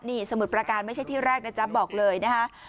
นี่สมุทรประการไม่ใช่ที่แรกนะจ๊ะบอกเลยนะคะ